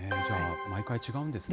毎回違うんですね。